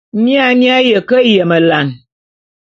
Mia mi aye ke yemelane.